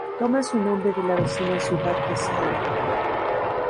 Toma su nombre de la vecina ciudad de Saue.